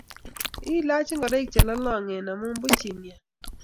Ilach ngoroik chelolongen amu much imnyan